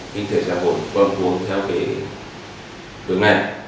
khi thời gian vừa vừa cuốn theo hướng ngay